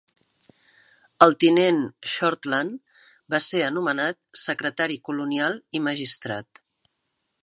El tinent Shortland va ser anomenat secretari colonial i magistrat.